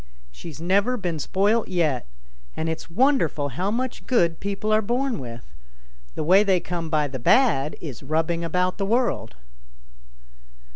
78 ANYHOW STORIES. [STOEY She's never been spoilt yet, and it's wonderful how much good people are born with. The way they come by the bad is rubbing about the world."